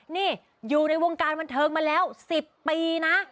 นี่อยู่ในวงการบันเทิงมาแล้ว๑๐ปีนะ